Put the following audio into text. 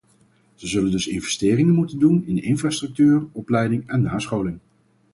Ze zullen dus investeringen moeten doen in infrastructuur, opleiding en nascholing.